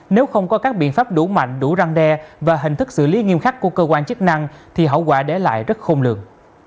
nếu không có các biện pháp đủ mạnh đủ răng đe và hình thức xử lý nghiêm khắc của cơ quan chức năng thì hậu quả để lại rất khôn lường